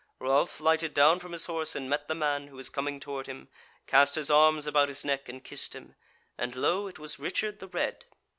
Ralph lighted down from his horse, and met the man, who was coming toward him, cast his arms about his neck, and kissed him, and lo, it was Richard the Red.